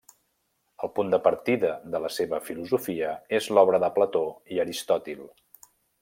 El punt de partida de la seva filosofia és l'obra de Plató i Aristòtil.